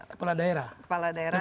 kepala daerah dan wilayahnya di mana